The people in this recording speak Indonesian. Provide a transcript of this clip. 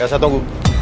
gak usah tunggu